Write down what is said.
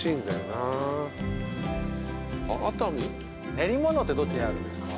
練り物ってどっちにあるんですか？